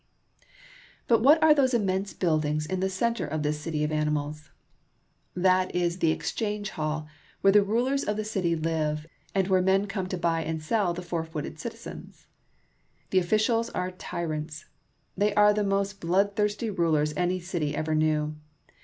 But what are those immense buildings in the center of this city of animals ? That is the Exchange Hall, where the rulers of the city live, and where men come to buy and sell the four footed citizens. The officials are tyrants. They are the most bloodthirsty rulers any city ever knew.